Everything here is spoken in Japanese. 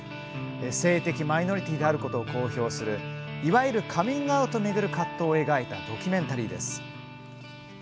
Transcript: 性的マイノリティーであることを公表するいわゆるカミングアウトを巡る葛藤を描いたドキュメンタリーです。